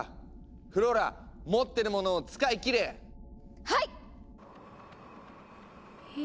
フローラ持ってるものを使い切れ！はいっ！